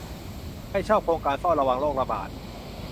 ใครชอบโครงการเฝ้าระวังโรคระบาด